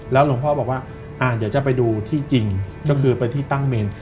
หลวงพ่อบอกว่าเดี๋ยวจะไปดูที่จริงก็คือไปที่ตั้งเมน